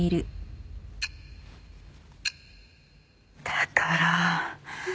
だから。